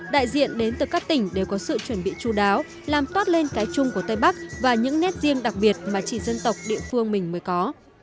đại diện đến từ các tỉnh đều có sự chuẩn bị chú đáo làm toát lên cái chung của tây bắc và những nét riêng đặc biệt mà chỉ dân tộc địa phương mình mới có